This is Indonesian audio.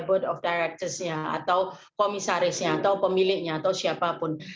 board of directors nya atau komisarisnya atau pemiliknya atau siapapun